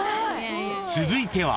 ［続いては］